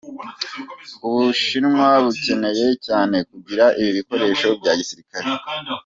"Ubushinwa bucyeneye cyane kugira ibi bikoresho bya gisirikare.